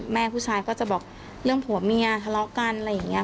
แม่ผู้ชายก็จะบอกเรื่องผัวเมียทะเลาะกันอะไรอย่างนี้ค่ะ